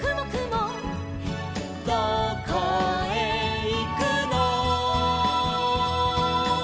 「どこへいくの」